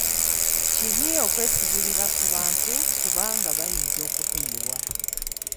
Kibi okwesigulira ku bantu kubanga bayinza okukuyiwa.